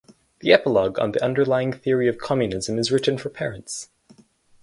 The epilogue on the underlying theory of communism is written for parents.